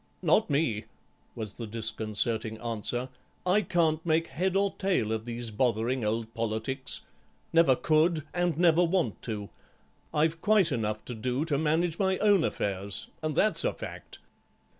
"Not me," was the disconcerting answer; "I can't make head or tail of these bothering old politics. Never could, and never want to. I've quite enough to do to manage my own affairs, and that's a fact."